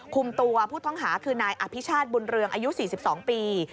คุมตัวผู้ต้องหาคือนายอภิชาติบุญเรืองอายุ๔๒ปี